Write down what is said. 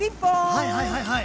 はいはいはいはい。